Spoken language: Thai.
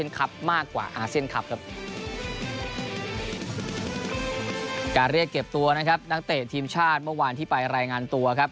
การเรียกเก็บตัวนะครับนักเตะทีมชาติเมื่อวานที่ไปรายงานตัวครับ